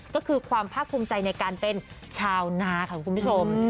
ก็คือความภาคภูมิใจในการเป็นชาวนาค่ะคุณผู้ชม